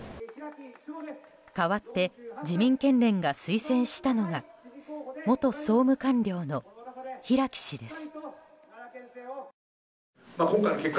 代わって自民県連が推薦したのが元総務官僚の平木氏です。